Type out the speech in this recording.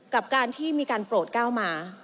กับการที่มีการโปรดก้าวมา